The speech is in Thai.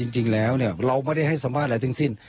จริงแล้วเราไม่ได้ให้สำภาในทั้งสิ้น